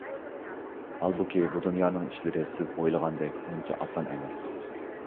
ھالبۇكى، بۇ دۇنيانىڭ ئىشلىرى سىز ئويلىغاندەك ئۇنچە ئاسان ئەمەس.